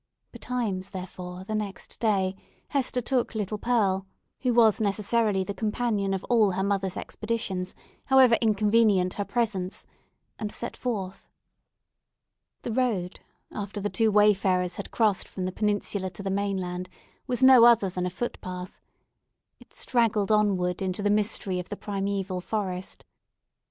Betimes, therefore, the next day, Hester took little Pearl—who was necessarily the companion of all her mother's expeditions, however inconvenient her presence—and set forth. The road, after the two wayfarers had crossed from the Peninsula to the mainland, was no other than a footpath. It straggled onward into the mystery of the primeval forest.